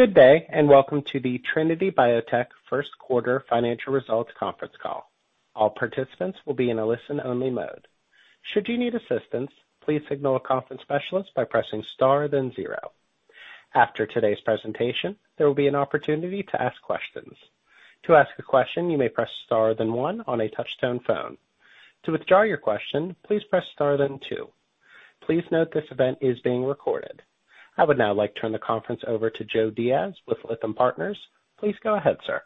Good day, and welcome to the Trinity Biotech first quarter financial results conference call. All participants will be in a listen-only mode. Should you need assistance, please signal a conference specialist by pressing star then zero. After today's presentation, there will be an opportunity to ask questions. To ask a question, you may press star then one on a touchtone phone. To withdraw your question, please press star then two. Please note this event is being recorded. I would now like to turn the conference over to Joe Diaz with Lytham Partners. Please go ahead, sir.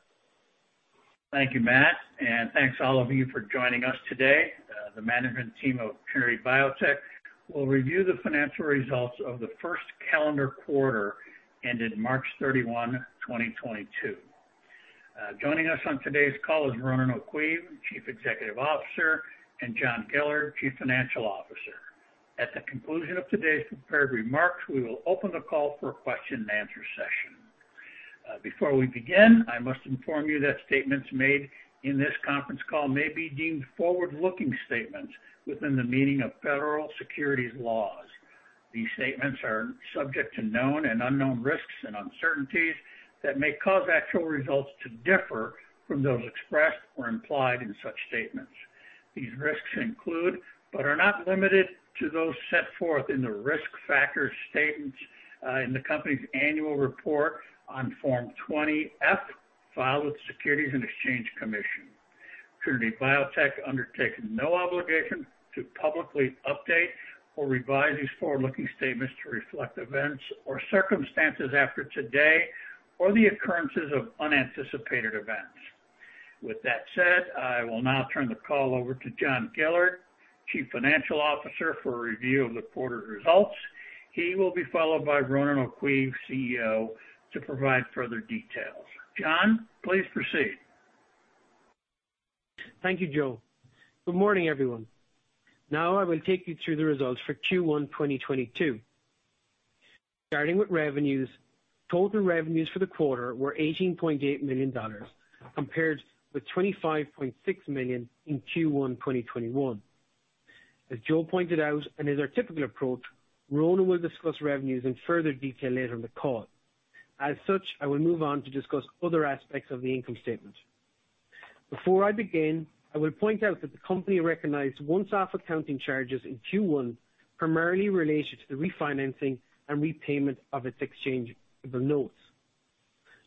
Thank you, Matt, and thanks all of you for joining us today. The management team of Trinity Biotech will review the financial results of the first calendar quarter ended March 31, 2022. Joining us on today's call is Ronan O'Caoimh, Chief Executive Officer, and John Gillard, Chief Financial Officer. At the conclusion of today's prepared remarks, we will open the call for a question and answer session. Before we begin, I must inform you that statements made in this conference call may be deemed forward-looking statements within the meaning of Federal securities laws. These statements are subject to known and unknown risks and uncertainties that may cause actual results to differ from those expressed or implied in such statements. These risks include, but are not limited to, those set forth in the risk factor statements in the company's annual report on Form 20-F filed with Securities and Exchange Commission. Trinity Biotech undertakes no obligation to publicly update or revise these forward-looking statements to reflect events or circumstances after today or the occurrences of unanticipated events. With that said, I will now turn the call over to John Gillard, Chief Financial Officer, for a review of the quarter's results. He will be followed by Ronan O'Caoimh, CEO, to provide further details. John, please proceed. Thank you, Joe. Good morning, everyone. Now I will take you through the results for Q1 2022. Starting with revenues, total revenues for the quarter were $18.8 million compared with $25.6 million in Q1 2021. As Joe pointed out, and as is our typical approach, Ronan will discuss revenues in further detail later in the call. As such, I will move on to discuss other aspects of the income statement. Before I begin, I will point out that the company recognized one-off accounting charges in Q1, primarily related to the refinancing and repayment of its exchangeable notes.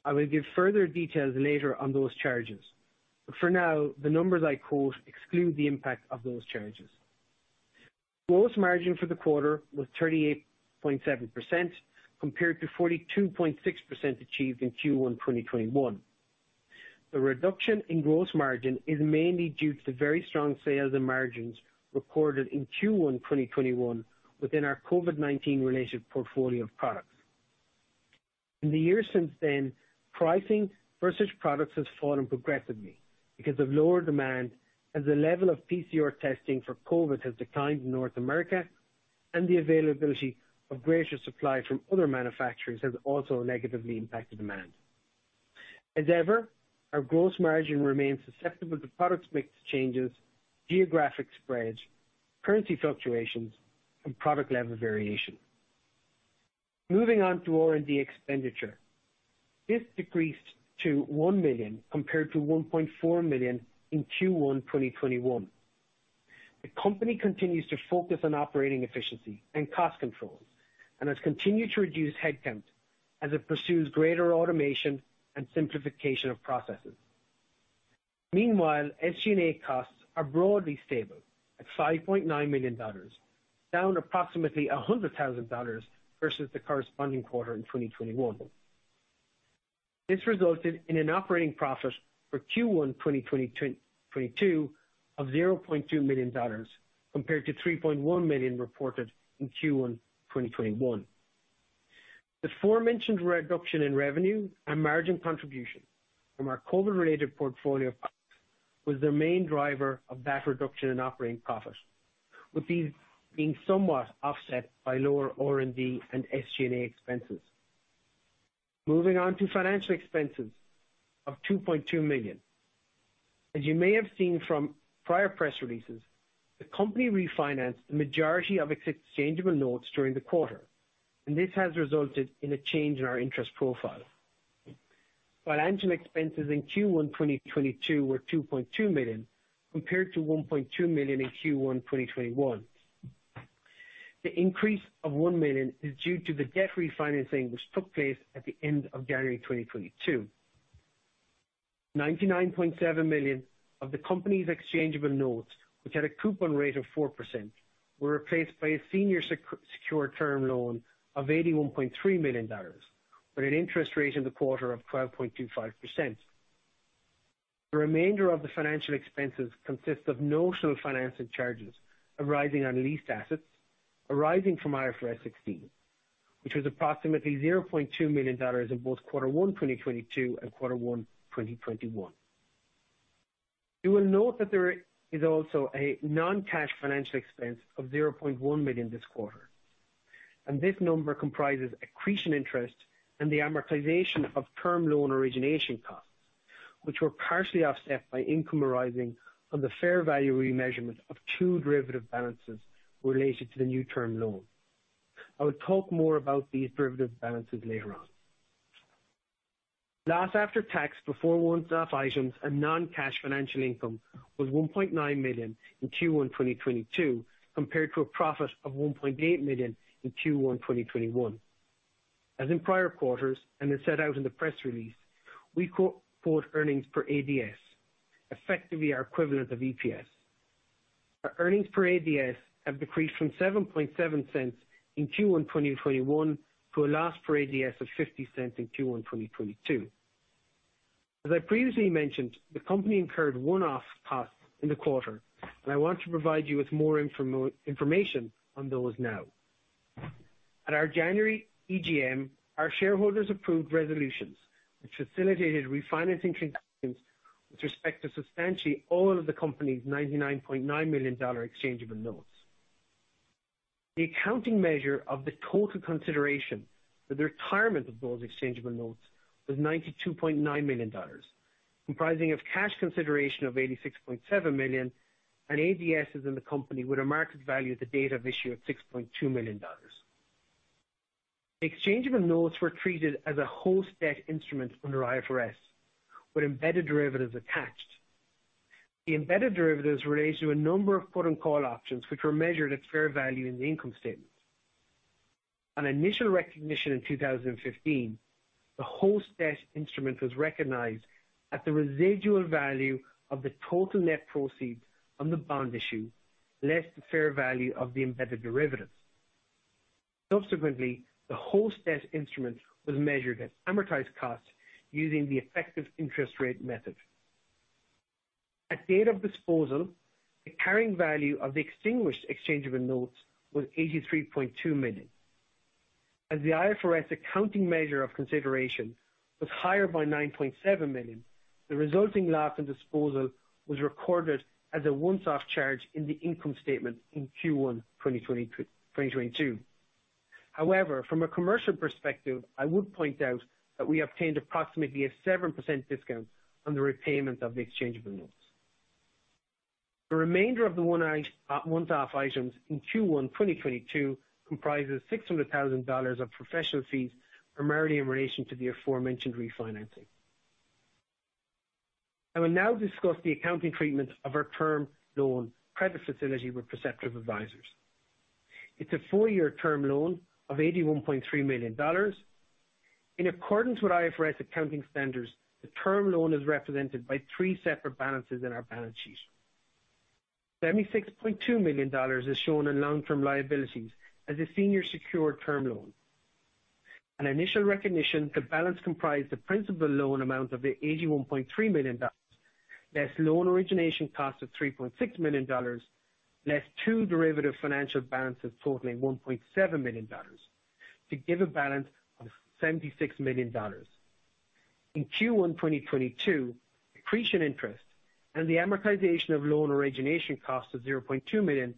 I will give further details later on those charges, but for now, the numbers I quote exclude the impact of those charges. Gross margin for the quarter was 38.7% compared to 42.6% achieved in Q1 2021. The reduction in gross margin is mainly due to the very strong sales and margins recorded in Q1 2021 within our COVID-19 related portfolio of products. In the years since then, pricing versus products has fallen progressively because of lower demand as the level of PCR testing for COVID has declined in North America and the availability of greater supply from other manufacturers has also negatively impacted demand. As ever, our gross margin remains susceptible to product mix changes, geographic spreads, currency fluctuations, and product level variation. Moving on to R&D expenditure. This decreased to $1 million compared to $1.4 million in Q1 2021. The company continues to focus on operating efficiency and cost control and has continued to reduce headcount as it pursues greater automation and simplification of processes. Meanwhile, SG&A costs are broadly stable at $5.9 million, down approximately $100,000 versus the corresponding quarter in 2021. This resulted in an operating profit for Q1 2022 of $0.2 million compared to $3.1 million reported in Q1 2021. The aforementioned reduction in revenue and margin contribution from our COVID-related portfolio was the main driver of that reduction in operating profit, with these being somewhat offset by lower R&D and SG&A expenses. Moving on to financial expenses of $2.2 million. As you may have seen from prior press releases, the company refinanced the majority of its exchangeable notes during the quarter, and this has resulted in a change in our interest profile. Financial expenses in Q1 2022 were $2.2 million, compared to $1.2 million in Q1 2021. The increase of $1 million is due to the debt refinancing which took place at the end of January 2022. $99.7 million of the company's exchangeable notes, which had a coupon rate of 4%, were replaced by a senior secure term loan of $81.3 million with an interest rate of 12.25%. The remainder of the financial expenses consist of notional financing charges arising on leased assets arising from IFRS 16, which was approximately $0.2 million in both Q1 2022 and Q1 2021. You will note that there is also a non-cash financial expense of $0.1 million this quarter, and this number comprises accretion interest and the amortization of term loan origination costs, which were partially offset by income arising on the fair value remeasurement of two derivative balances related to the new term loan. I will talk more about these derivative balances later on. Loss after tax before one-off items and non-cash financial income was $1.9 million in Q1 2022, compared to a profit of $1.8 million in Q1 2021. As in prior quarters, and as set out in the press release, we quote both earnings per ADS, effectively our equivalent of EPS. Our earnings per ADS have decreased from $0.077 In Q1 2021 to a loss per ADS of $0.50 in Q1 2022. As I previously mentioned, the company incurred one-off costs in the quarter, and I want to provide you with more information on those now. At our January EGM, our shareholders approved resolutions which facilitated refinancing transactions with respect to substantially all of the company's $99.9 million exchangeable notes. The accounting measure of the total consideration for the retirement of those exchangeable notes was $92.9 million, comprising of cash consideration of $86.7 million, and ADSs in the company with a market value at the date of issue of $6.2 million. Exchangeable notes were treated as a host debt instrument under IFRS, with embedded derivatives attached. The embedded derivatives relate to a number of put and call options, which were measured at fair value in the income statement. On initial recognition in 2015, the host debt instrument was recognized at the residual value of the total net proceeds on the bond issue, less the fair value of the embedded derivative. Subsequently, the host debt instrument was measured at amortized cost using the effective interest rate method. At date of disposal, the carrying value of the extinguished exchangeable notes was $83.2 million. As the IFRS accounting measure of consideration was higher by $9.7 million, the resulting loss and disposal was recorded as a once off charge in the income statement in Q1 2022. However, from a commercial perspective, I would point out that we obtained approximately a 7% discount on the repayment of the exchangeable notes. The remainder of the one-off items in Q1 2022 comprises $600,000 of professional fees, primarily in relation to the aforementioned refinancing. I will now discuss the accounting treatment of our term loan credit facility with Perceptive Advisors. It's a four-year term loan of $81.3 million. In accordance with IFRS accounting standards, the term loan is represented by three separate balances in our balance sheet. $76.2 million is shown in long-term liabilities as a senior secured term loan. On initial recognition, the balance comprised the principal loan amount of the $81.3 million, less loan origination cost of $3.6 million, less two derivative financial balances totaling $1.7 million to give a balance of $76 million. In Q1 2022, accretion interest and the amortization of loan origination costs of $0.2 million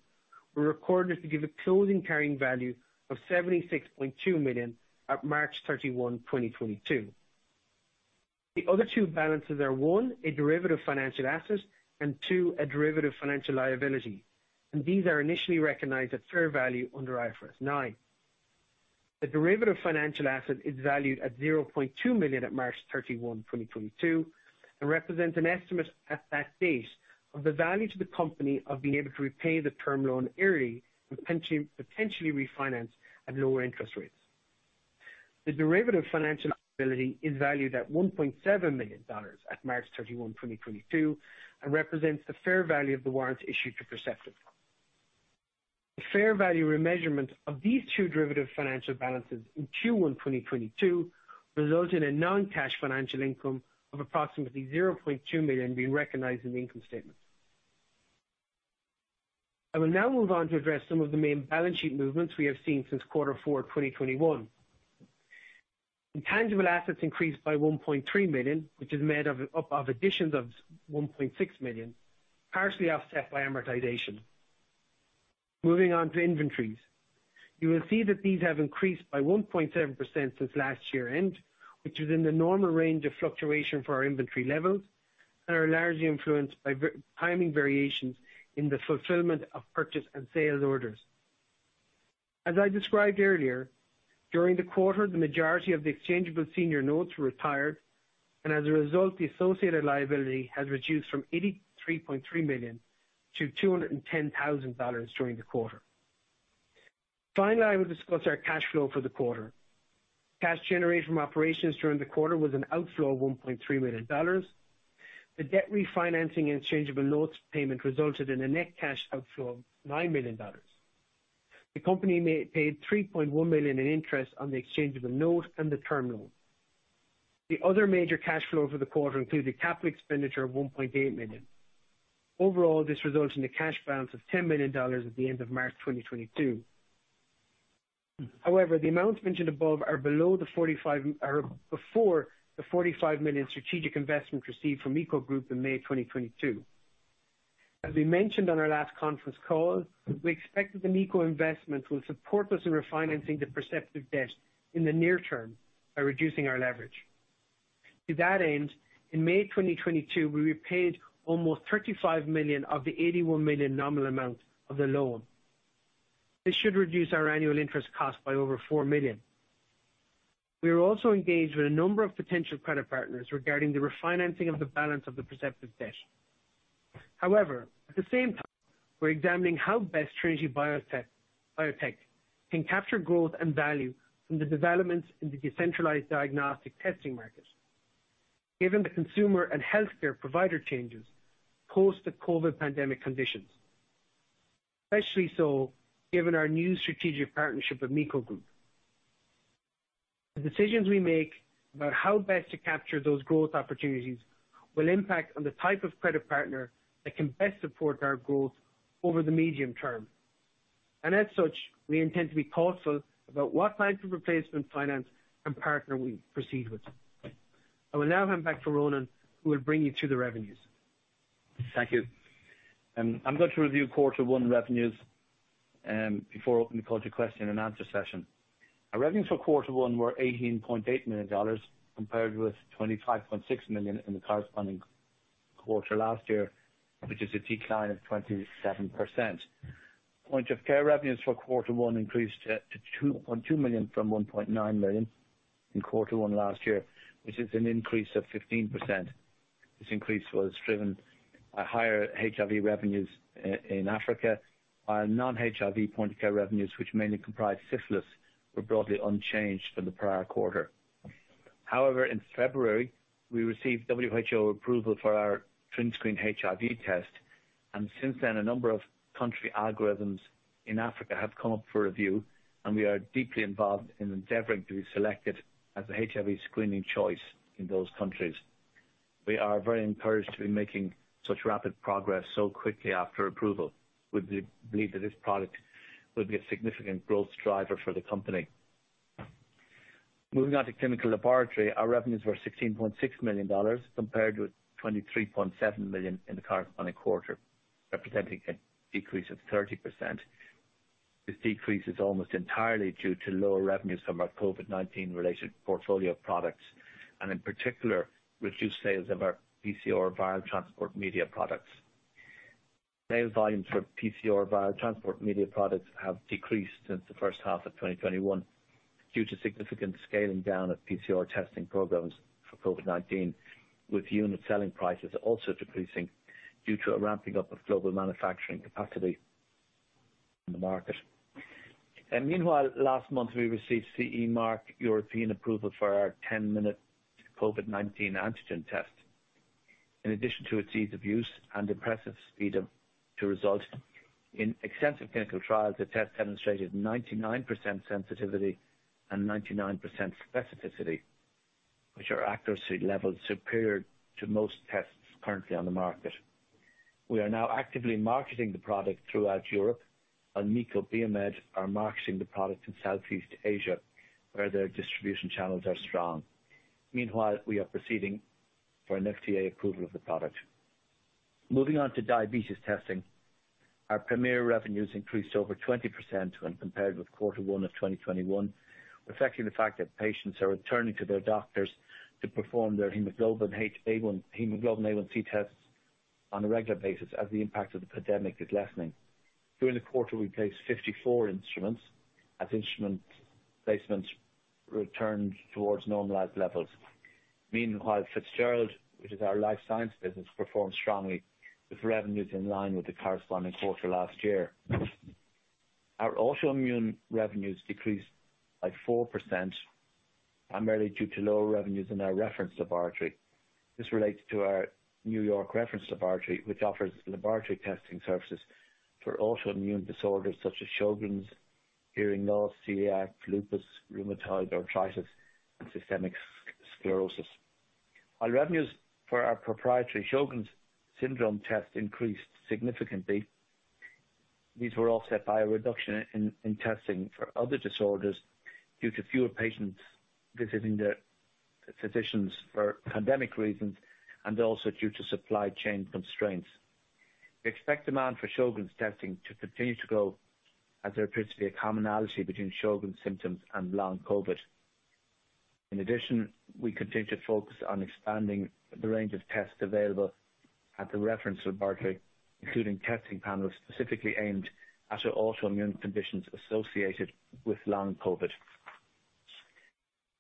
were recorded to give a closing carrying value of $76.2 million at March 31, 2022. The other two balances are, one, a derivative financial asset, and two, a derivative financial liability, and these are initially recognized at fair value under IFRS 9. The derivative financial asset is valued at $0.2 million at March 31, 2022, and represents an estimate at that date of the value to the company of being able to repay the term loan early, potentially refinance at lower interest rates. The derivative financial liability is valued at $1.7 million at March 31, 2022, and represents the fair value of the warrants issued to Perceptive. The fair value remeasurement of these two derivative financial balances in Q1 2022 result in a non-cash financial income of approximately $0.2 million being recognized in the income statement. I will now move on to address some of the main balance sheet movements we have seen since Q4 2021. Intangible assets increased by $1.3 million, which is made up of additions of $1.6 million, partially offset by amortization. Moving on to inventories. You will see that these have increased by 1.7% since last year-end, which is in the normal range of fluctuation for our inventory levels and are largely influenced by timing variations in the fulfillment of purchase and sales orders. As I described earlier, during the quarter, the majority of the exchangeable senior notes were retired, and as a result, the associated liability has reduced from $83.3 million to $210,000 during the quarter. Finally, I will discuss our cash flow for the quarter. Cash generated from operations during the quarter was an outflow of $1.3 million. The debt refinancing and exchangeable notes payment resulted in a net cash outflow of $9 million. The company paid $3.1 million in interest on the exchangeable note and the term loan. The other major cash flow for the quarter included capital expenditure of $1.8 million. Overall, this results in a cash balance of $10 million at the end of March 2022. However, the amounts mentioned above are before the $45 million strategic investment received from MiCo Group in May 2022. As we mentioned on our last conference call, we expect that the MiCo investment will support us in refinancing the Perceptive debt in the near term by reducing our leverage. To that end, in May 2022, we repaid almost $35 million of the $81 million nominal amount of the loan. This should reduce our annual interest cost by over $4 million. We are also engaged with a number of potential credit partners regarding the refinancing of the balance of the Perceptive debt. However, at the same time, we're examining how best Trinity Biotech can capture growth and value from the developments in the decentralized diagnostic testing market. Given the consumer and healthcare provider changes post the COVID pandemic conditions, especially so given our new strategic partnership with MiCo Group. The decisions we make about how best to capture those growth opportunities will impact on the type of credit partner that can best support our growth over the medium-term. As such, we intend to be thoughtful about what type of replacement finance and partner we proceed with. I will now hand back to Ronan, who will bring you through the revenues. Thank you. I'm going to review quarter one revenues before opening the call to question and answer session. Our revenues for quarter one were $18.8 million compared with $25.6 million in the corresponding quarter last year, which is a decline of 27%. Point of care revenues for quarter one increased to $2.2 million from $1.9 million in quarter one last year, which is an increase of 15%. This increase was driven by higher HIV revenues in Africa. Our non-HIV point of care revenues, which mainly comprise syphilis, were broadly unchanged from the prior quarter. However, in February, we received WHO approval for our TrinScreen HIV test, and since then a number of country algorithms in Africa have come up for review, and we are deeply involved in endeavoring to be selected as the HIV screening choice in those countries. We are very encouraged to be making such rapid progress so quickly after approval. We believe that this product will be a significant growth driver for the company. Moving on to clinical laboratory, our revenues were $16.6 million, compared with $23.7 million in the current quarter, representing a decrease of 30%. This decrease is almost entirely due to lower revenues from our COVID-19 related portfolio of products and in particular reduced sales of our PCR viral transport media products. Sales volumes for PCR viral transport media products have decreased since the first half of 2021 due to significant scaling down of PCR testing programs for COVID-19, with unit selling prices also decreasing due to a ramping up of global manufacturing capacity in the market. Meanwhile, last month we received CE mark European approval for our 10-minute COVID-19 antigen test. In addition to its ease of use and impressive speed to result, in extensive clinical trials, the test demonstrated 99% sensitivity and 99% specificity, which are accuracy levels superior to most tests currently on the market. We are now actively marketing the product throughout Europe and MiCo BioMed are marketing the product in Southeast Asia, where their distribution channels are strong. Meanwhile, we are proceeding for an FDA approval of the product. Moving on to diabetes testing. Our Premier revenues increased over 20% when compared with quarter one of 2021, reflecting the fact that patients are returning to their doctors to perform their hemoglobin A1C tests on a regular basis as the impact of the pandemic is lessening. During the quarter, we placed 54 instruments as instrument placements returned towards normalized levels. Meanwhile, Fitzgerald, which is our life science business, performed strongly with revenues in line with the corresponding quarter last year. Our autoimmune revenues decreased by 4%, primarily due to lower revenues in our reference laboratory. This relates to our New York reference laboratory, which offers laboratory testing services for autoimmune disorders such as Sjögren's, hearing loss, CIDP, lupus, rheumatoid arthritis, and systemic sclerosis. Our revenues for our proprietary Sjögren's syndrome test increased significantly. These were offset by a reduction in testing for other disorders due to fewer patients visiting their physicians for pandemic reasons and also due to supply chain constraints. We expect demand for Sjögren's testing to continue to grow as there appears to be a commonality between Sjögren's symptoms and long COVID. In addition, we continue to focus on expanding the range of tests available at the reference laboratory, including testing panels specifically aimed at our autoimmune conditions associated with long COVID.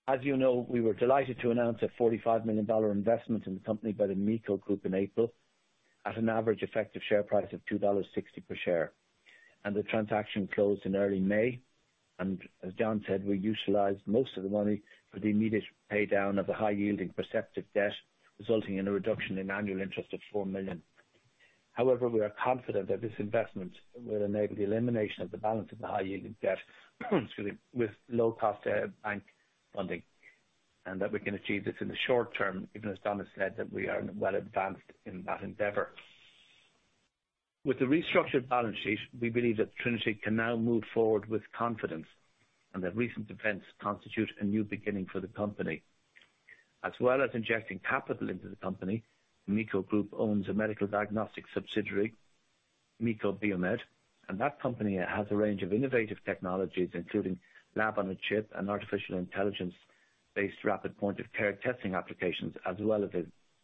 As you know, we were delighted to announce a $45 million investment in the company by the MiCo Group in April at an average effective share price of $2.60 per share. The transaction closed in early May. As John said, we utilized most of the money for the immediate pay down of the high-yield Perceptive debt, resulting in a reduction in annual interest of $4 million. However, we are confident that this investment will enable the elimination of the balance of the high-yield debt, excuse me, with low-cost bank funding, and that we can achieve this in the short-term, even as John has said that we are well advanced in that endeavor. With the restructured balance sheet, we believe that Trinity can now move forward with confidence and that recent events constitute a new beginning for the company. As well as injecting capital into the company, MiCo Group owns a medical diagnostic subsidiary, MiCo BioMed, and that company has a range of innovative technologies, including lab-on-a-chip and artificial intelligence-based rapid point-of-care testing applications, as well as a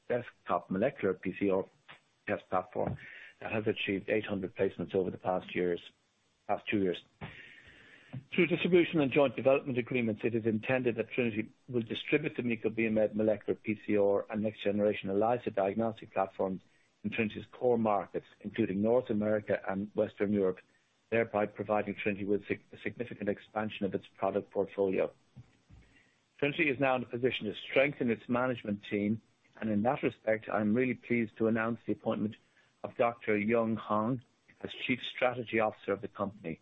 desktop molecular PCR test platform that has achieved 800 placements over the past two years. Through distribution and joint development agreements, it is intended that Trinity will distribute the MiCo BioMed molecular PCR and next-generation ELISA diagnostic platforms in Trinity's core markets, including North America and Western Europe, thereby providing Trinity with a significant expansion of its product portfolio. Trinity is now in a position to strengthen its management team, and in that respect, I'm really pleased to announce the appointment of Dr. Yung Hang as Chief Strategy Officer of the company.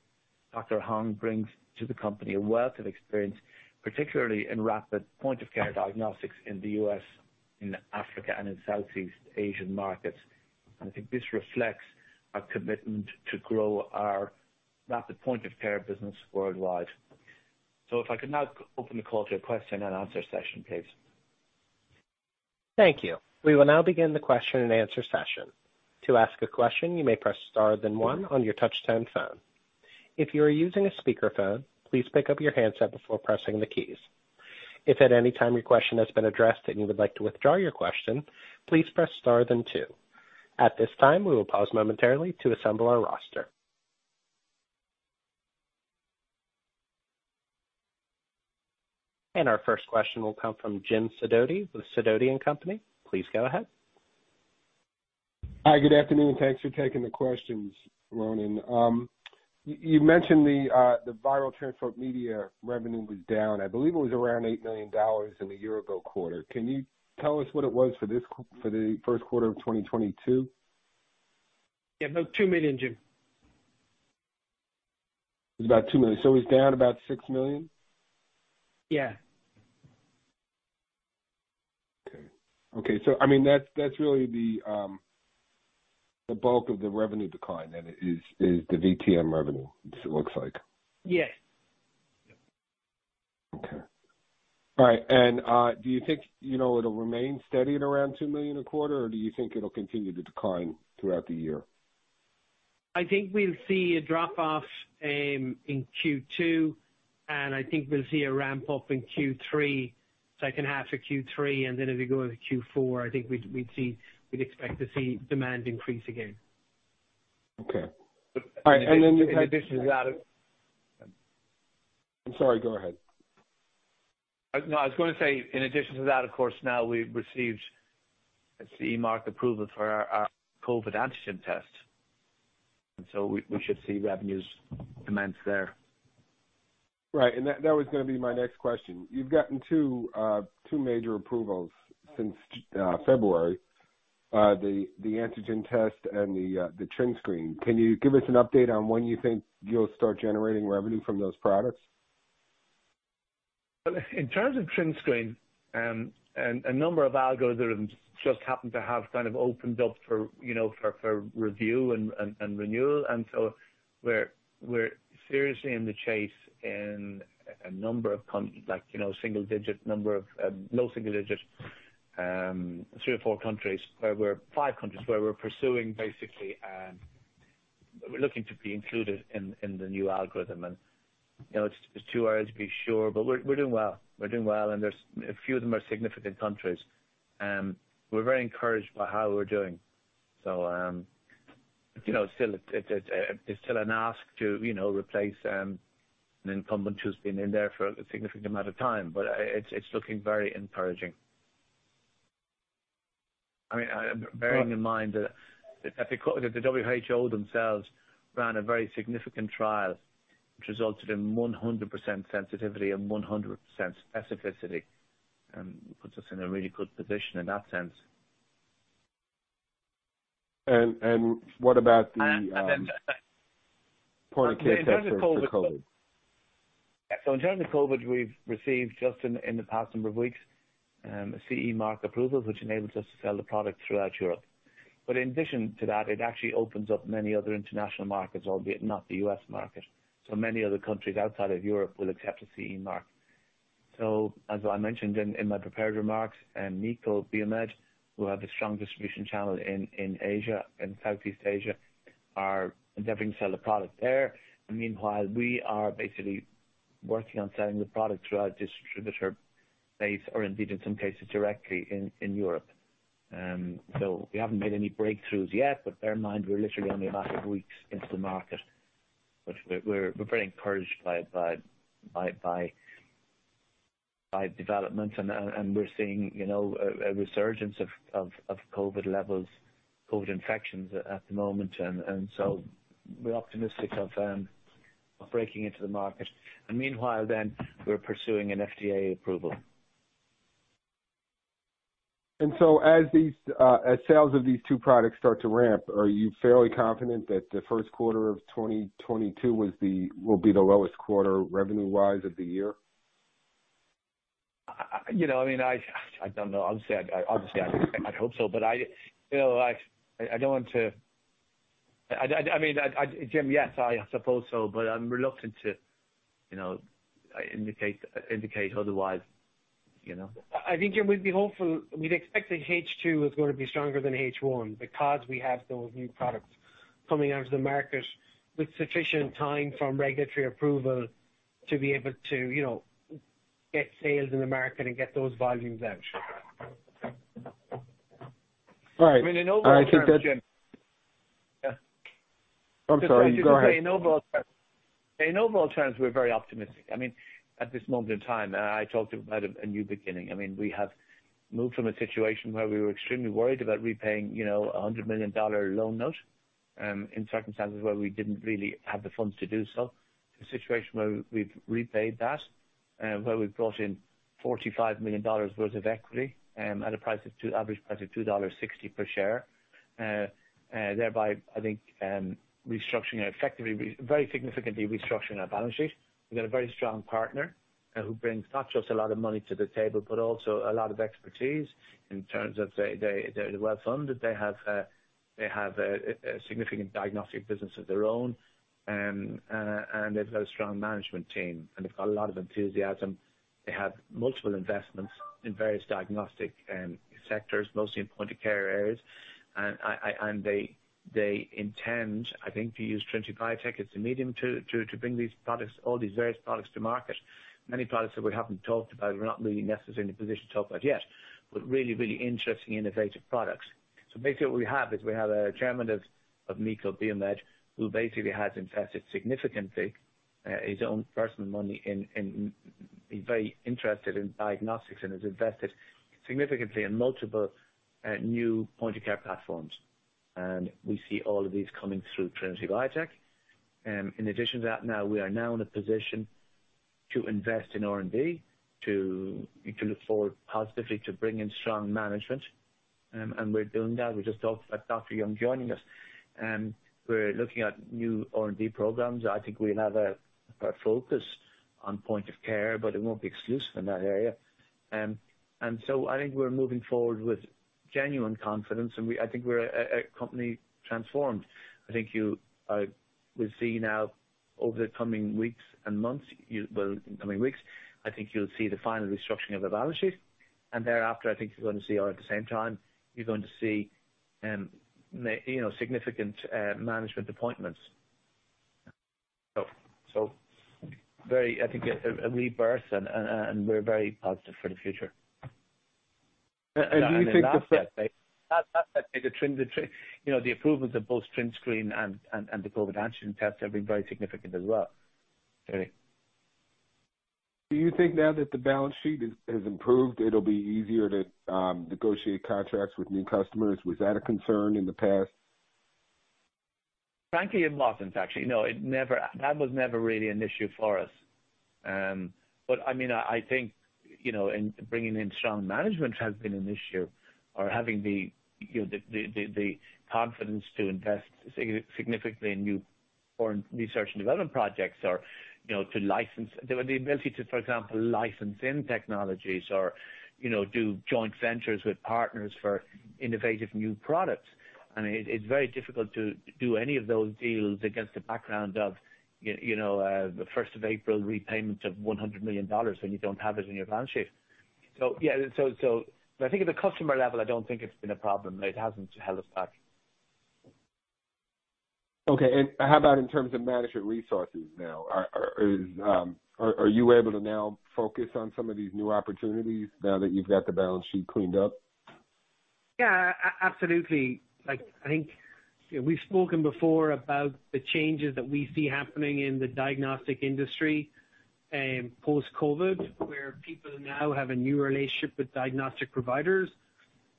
Dr. Hang brings to the company a wealth of experience, particularly in rapid point-of-care diagnostics in the U.S., in Africa, and in Southeast Asian markets. I think this reflects our commitment to grow our rapid point-of-care business worldwide. If I could now open the call to a question and answer session, please. Thank you. We will now begin the question and answer session. To ask a question, you may press star then one on your touch-tone phone. If you are using a speakerphone, please pick up your handset before pressing the keys. If at any time your question has been addressed and you would like to withdraw your question, please press star then two. At this time, we will pause momentarily to assemble our roster. Our first question will come from Jim Sidoti with Sidoti & Company. Please go ahead. Hi, good afternoon. Thanks for taking the questions, Ronan. You mentioned the viral transport media revenue was down. I believe it was around $8 million in the year-ago quarter. Can you tell us what it was for the first quarter of 2022? Yeah. About $2 million, Jim. It's about $2 million. It's down about $6 million? Yeah. Okay. I mean, that's really the bulk of the revenue decline then is the VTM revenue. It looks like. Yes. Okay. All right. Do you think, you know, it'll remain steady at around $2 million a quarter, or do you think it'll continue to decline throughout the year? I think we'll see a drop-off in Q2, and I think we'll see a ramp-up in Q3, second half of Q3, and then if we go into Q4, I think we'd expect to see demand increase again. Okay. All right. In addition to that. I'm sorry. Go ahead. No, I was gonna say in addition to that, of course, now we've received the CE mark approval for our COVID antigen test. We should see revenues commence there. Right. That was gonna be my next question. You've gotten two major approvals since February, the antigen test and the TrinScreen. Can you give us an update on when you think you'll start generating revenue from those products? In terms of TrinScreen, a number of algorithms just happen to have kind of opened up for review and renewal. We're seriously in the chase in a low single digit, three or four countries where we're pursuing basically. We're looking to be included in the new algorithm. It's too early to be sure, but we're doing well. A few of them are significant countries. We're very encouraged by how we're doing. It's still an ask to replace an incumbent who's been in there for a significant amount of time, but it's looking very encouraging. I mean, bearing in mind that the WHO themselves ran a very significant trial which resulted in 100% sensitivity and 100% specificity. It puts us in a really good position in that sense. What about the point-of-care test for COVID? In terms of COVID, we've received just in the past number of weeks a CE mark approval, which enables us to sell the product throughout Europe. In addition to that, it actually opens up many other international markets, albeit not the U.S. market. Many other countries outside of Europe will accept a CE mark. As I mentioned in my prepared remarks, MiCo BioMed, who have a strong distribution channel in Asia and Southeast Asia, are endeavoring to sell the product there. Meanwhile, we are basically working on selling the product through our distributor base or indeed in some cases directly in Europe. We haven't made any breakthroughs yet, but bear in mind we're literally only about eight weeks into the market. We're pretty encouraged by development and we're seeing, you know, a resurgence of COVID levels, COVID infections at the moment. So we're optimistic of breaking into the market. Meanwhile then, we're pursuing an FDA approval. As sales of these two products start to ramp, are you fairly confident that the first quarter of 2022 will be the lowest quarter revenue-wise of the year? You know, I mean, I don't know. Obviously, I'd hope so. I feel like I don't want to. I mean, I, Jim, yes, I suppose so, but I'm reluctant to, you know, indicate otherwise, you know. I think it would be helpful. We'd expect that H2 is gonna be stronger than H1 because we have those new products coming onto the market with sufficient time from regulatory approval to be able to, you know, get sales in the market and get those volumes out. All right. I mean, in overall terms, Jim. Yeah. I'm sorry. Go ahead. In overall terms, we're very optimistic. I mean, at this moment in time, I talked about a new beginning. I mean, we have moved from a situation where we were extremely worried about repaying, you know, $100 million loan note, in circumstances where we didn't really have the funds to do so. The situation where we've repaid that, where we've brought in $45 million worth of equity, at a price of two. Average price of $2.60 per share. Thereby, I think, very significantly restructuring our balance sheet. We've got a very strong partner, who brings not just a lot of money to the table, but also a lot of expertise in terms of they're well-funded. They have, they have a significant diagnostic business of their own. They've got a strong management team, and they've got a lot of enthusiasm. They have multiple investments in various diagnostic sectors, mostly in point-of-care areas. I and they intend, I think, to use Trinity Biotech as a medium to bring these products, all these various products to market. Many products that we haven't talked about, we're not really necessarily in a position to talk about yet, but really interesting, innovative products. Basically what we have is we have a chairman of MiCo BioMed, who basically has invested significantly his own personal money. He's very interested in diagnostics and has invested significantly in multiple new point-of-care platforms. We see all of these coming through Trinity Biotech. In addition to that, we are now in a position to invest in R&D, to look forward positively to bring in strong management. We're doing that. We just talked about Dr. Yung Hang joining us. We're looking at new R&D programs. I think we have a focus on point of care, but it won't be exclusive in that area. I think we're moving forward with genuine confidence, and I think we're a company transformed. I think you will see now over the coming weeks and months, in coming weeks, I think you'll see the final restructuring of our balance sheet, and thereafter, I think you're going to see all at the same time, you're going to see, you know, significant management appointments. I think a rebirth and we're very positive for the future. You think the. You know, the approvals of both TrinScreen and the COVID-19 antigen test have been very significant as well. Really. Do you think now that the balance sheet has improved, it'll be easier to negotiate contracts with new customers? Was that a concern in the past? Frankly, in essence, actually, no. That was never really an issue for us. But I mean, I think, you know, in bringing in strong management has been an issue or having the, you know, the confidence to invest significantly in new or research and development projects or, you know, to license. The ability to, for example, license in technologies or, you know, do joint ventures with partners for innovative new products. I mean, it's very difficult to do any of those deals against the background of, you know, the first of April repayments of $100 million when you don't have it in your balance sheet. Yeah. I think at the customer level, I don't think it's been a problem. It hasn't held us back. Okay. How about in terms of management resources now? Are you able to now focus on some of these new opportunities now that you've got the balance sheet cleaned up? Yeah. Absolutely. Like, I think we've spoken before about the changes that we see happening in the diagnostic industry, post-COVID, where people now have a new relationship with diagnostic providers.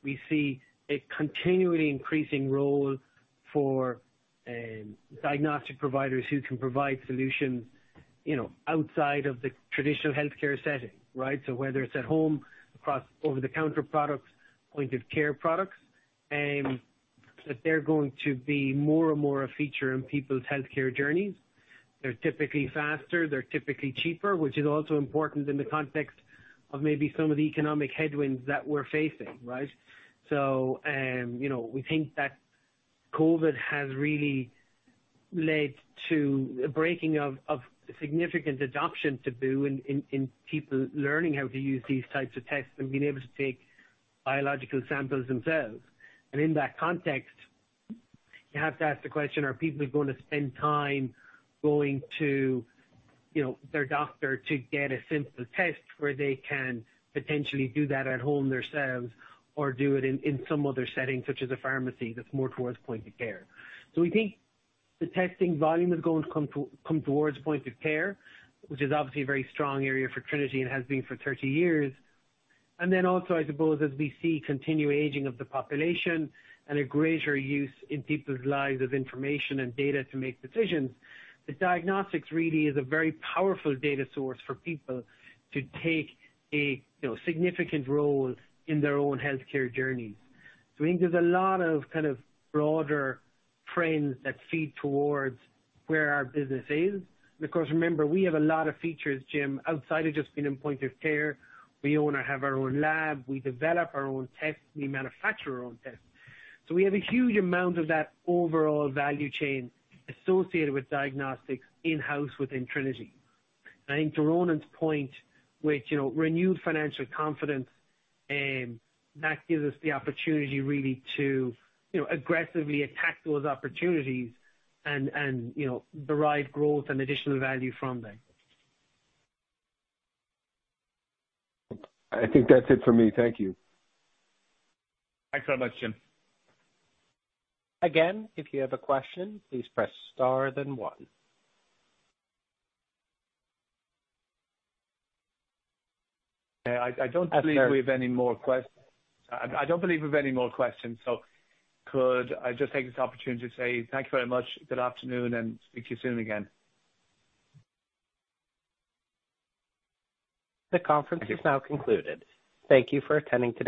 We see a continually increasing role for diagnostic providers who can provide solutions, you know, outside of the traditional healthcare setting, right? Whether it's at home, across over-the-counter products, point-of-care products, that they're going to be more and more a feature in people's healthcare journeys. They're typically faster, they're typically cheaper, which is also important in the context of maybe some of the economic headwinds that we're facing, right? You know, we think that COVID has really led to a breaking of significant adoption taboo in people learning how to use these types of tests and being able to take biological samples themselves. In that context, you have to ask the question, are people going to spend time going to, you know, their doctor to get a simple test where they can potentially do that at home themselves or do it in some other setting, such as a pharmacy that's more towards point of care? We think the testing volume is going to come towards point of care, which is obviously a very strong area for Trinity and has been for 30 years. Then also, I suppose, as we see continued aging of the population and a greater use in people's lives of information and data to make decisions, the diagnostics really is a very powerful data source for people to take a, you know, significant role in their own healthcare journeys. I think there's a lot of, kind of, broader trends that feed towards where our business is. Because remember, we have a lot of features, Jim, outside of just being in point of care. We own or have our own lab, we develop our own tests, we manufacture our own tests. We have a huge amount of that overall value chain associated with diagnostics in-house within Trinity. I think to Ronan's point, which, you know, renewed financial confidence, that gives us the opportunity really to, you know, aggressively attack those opportunities and, you know, derive growth and additional value from them. I think that's it for me. Thank you. Thanks so much, Jim. Again, if you have a question, please press star then one. Yeah. I don't believe we have any more questions, so could I just take this opportunity to say thank you very much. Good afternoon, and speak to you soon again. The conference is now concluded. Thank you for attending today.